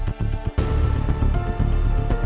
dia mencuri itu karena disuruh pc